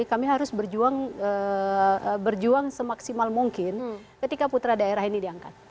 kami harus berjuang semaksimal mungkin ketika putra daerah ini diangkat